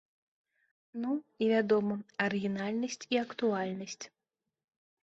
Ну, і вядома, арыгінальнасць і актуальнасць.